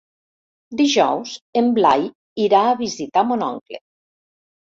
Dijous en Blai irà a visitar mon oncle.